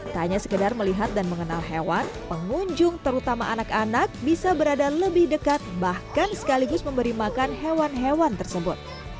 tak hanya sekedar melihat dan mengenal hewan pengunjung terutama anak anak bisa berada lebih dekat bahkan sekaligus memberi makan hewan hewan tersebut